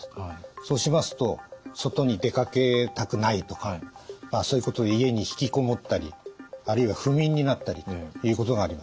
そうしますと外に出かけたくないとかそういうことで家に引きこもったりあるいは不眠になったりということがあります。